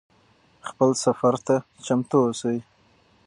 خپل سفر ته چمتو اوسئ.